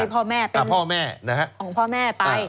เป็นของพ่อแม่ตาย